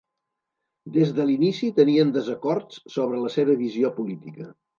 Des de l'inici tenien desacords sobre la seva visió política.